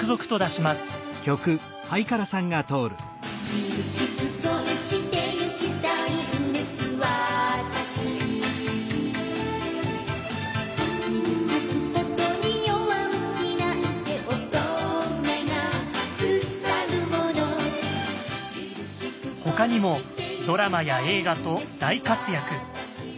凛々しく恋してゆきたいんです私傷つくことに弱虫なんて乙女がすたるものほかにもドラマや映画と大活躍。